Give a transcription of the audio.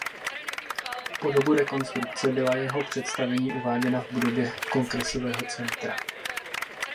Po dobu rekonstrukce byla jeho představení uváděna v budově Kongresového centra.